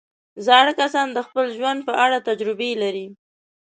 زاړه کسان د خپل ژوند په اړه تجربې لري